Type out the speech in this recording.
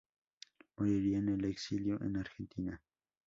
Moriría en el exilio en Argentina.